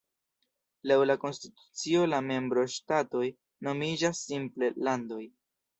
Laŭ la konstitucio la membro-ŝtatoj nomiĝas simple "landoj".